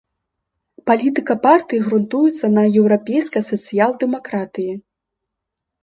Палітыка партыі грунтуецца на еўрапейскай сацыял-дэмакратыі.